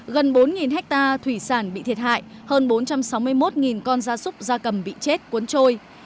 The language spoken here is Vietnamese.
gần bốn hectare thủy sản bị thiệt hại hơn bốn trăm sáu mươi một con da súc da cầm bị chết cuốn trôi